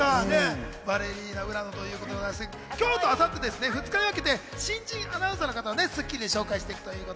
バレリーナ浦野ということで、今日と明後日、２日にかけて新人アナウンサーの方を『スッキリ』で紹介していきます。